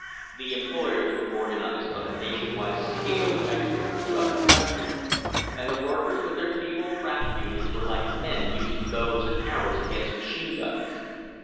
The employers were organized on a nation wide scale everywhere throughout the country, and the workers with their feeble craft unions were like men using bows and arrows against machine guns.